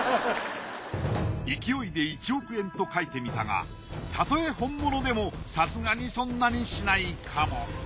勢いで１億円と書いてみたがたとえ本物でもさすがにそんなにしないかも。